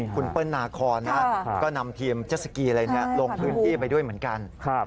คุณเปิ้ลนาคอนก็นำทีมเจสสกีอะไรลงพื้นที่ไปด้วยเหมือนกัน